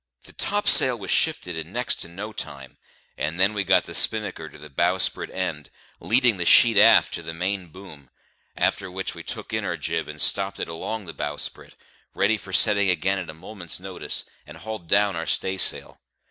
The topsail was shifted in next to no time, and then we got the spinnaker to the bowsprit end, leading the sheet aft to the main boom; after which we took in our jib and stopped it along the bowsprit, ready for setting again at a moment's notice, and hauled down our staysail.